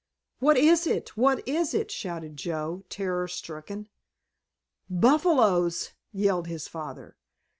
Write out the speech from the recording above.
"What is it? What is it?" shouted Joe, terror stricken. "Buffaloes!" yelled his father.